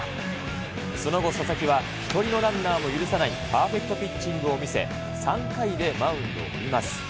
その後、佐々木は一人のランナーも許さないパーフェクトピッチングを見せ、３回でマウンドを降ります。